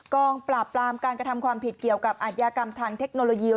กองปราบปรามการกระทำความผิดเกี่ยวกับอาทยากรรมทางเทคโนโลยี